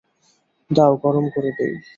দাও গরম করে দিই।